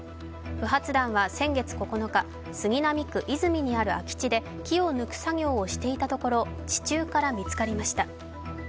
不発弾は先月９日、杉並区和泉にある空き地で木を抜く作業をしていたところ地中から見つかりました。